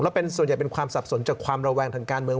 แล้วเป็นส่วนใหญ่เป็นความสับสนจากความระแวงทางการเมือง